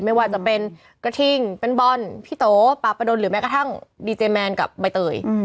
ไม่ว่าจะเป็นกระทิงเป็นบอลพี่โตปาประดนหรือแม้กระทั่งดีเจแมนกับใบเตย